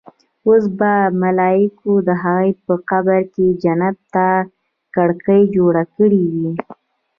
اوس به ملايکو د هغه په قبر کې جنت له کړکۍ جوړ کړې وي.